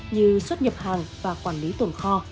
như xuất nhập hàng và quản lý tuần kho